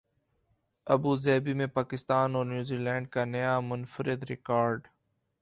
Abu Dhabi میں پاکستان اور New Zealand کا نیا منفرد ریکارڈ